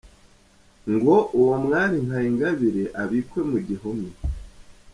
Ngo uwo mwari nka Ingabire abikwe mu gihome